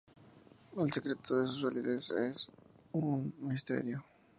El secreto de su solidez aun es un misterio.